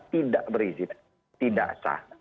tidak berizik tidak sah